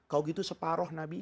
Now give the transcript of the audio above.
kalau gitu separoh nabi